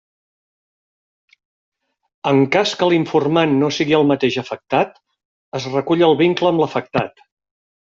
En cas que l'informant no sigui el mateix afectat, es recull el vincle amb l'afectat.